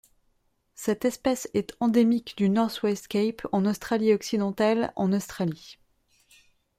Cette espèce est endémique du North West Cape en Australie-Occidentale en Australie.